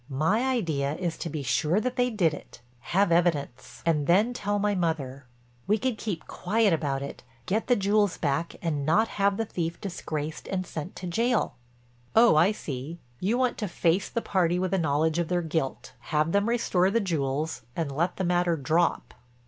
My idea is to be sure that they did it—have evidence—and then tell my mother. We could keep quiet about it, get the jewels back and not have the thief disgraced and sent to jail." "Oh, I see. You want to face the party with a knowledge of their guilt, have them restore the jewels, and let the matter drop."